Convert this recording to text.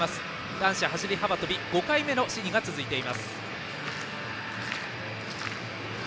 男子走り幅跳びは５回目の試技が続いています。